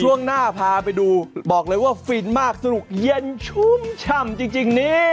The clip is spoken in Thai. ช่วงหน้าพาไปดูบอกเลยว่าฟินมากสนุกเย็นชุ่มฉ่ำจริงนี่